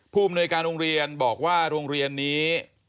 ผู้อำนวยการโรงเรียนบอกว่าโรงเรียนนี้